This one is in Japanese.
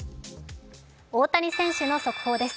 大谷選手の速報です。